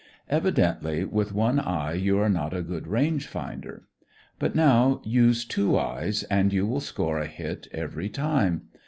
Evidently, with one eye you are not a good range finder; but now use two eyes and you will score a hit every time.